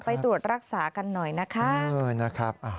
ไปตรวจรักษากันหน่อยนะคะ